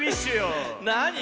なに？